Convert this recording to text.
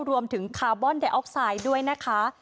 รวมถึงคาร์บอนไดออกไซด์ด้วยนะคะ